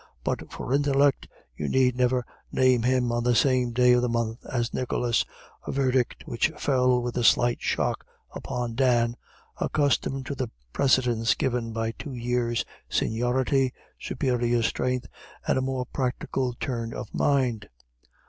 "But for intellect you need never name him on the same day of the month as Nicholas," a verdict which fell with a slight shock upon Dan, accustomed to the precedence given by two years' seniority, superior strength, and a more practical turn of mind.